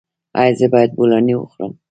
ایا زه باید بولاني وخورم؟